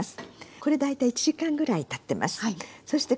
これ大体１時間ぐらいたってます。